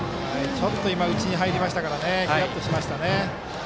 ちょっと今内に入りましたからヒヤッとしましたね。